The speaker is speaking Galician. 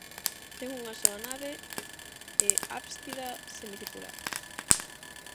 Ten unha soa nave e ábsida semicircular.